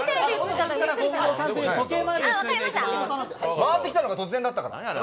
回ってきたのが突然だったから。